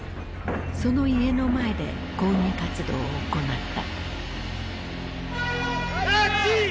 その家の前で抗議活動を行った。